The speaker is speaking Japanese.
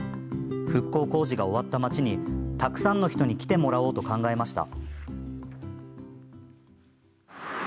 復興工事が終わった町にたくさんの人に来てもらおうと考えました。